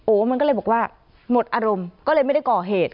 มันก็เลยบอกว่าหมดอารมณ์ก็เลยไม่ได้ก่อเหตุ